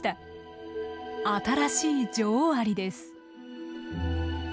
新しい女王アリです。